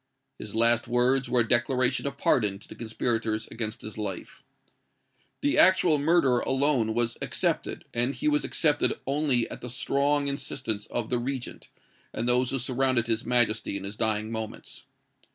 His last words were a declaration of pardon to the conspirators against his life. The actual murderer alone was excepted; and he was excepted only at the strong instance of the regent, and those who surrounded his Majesty in his dying moments.